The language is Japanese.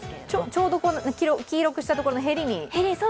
ちょうど黄色くしたところのへりに。